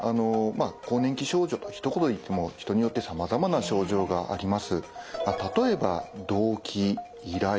更年期症状とひと言で言っても人によってさまざまな症状があります。